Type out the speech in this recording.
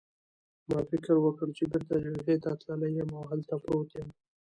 ما فکر وکړ چې بېرته جبهې ته تللی یم او هلته پروت یم.